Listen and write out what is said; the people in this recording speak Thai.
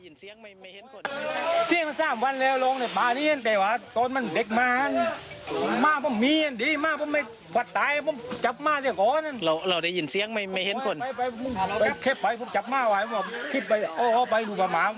นอกจากเด็กเด็กคนเดียว